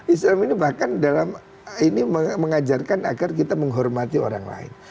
islam ini bahkan mengajarkan agar kita menghormati orang lain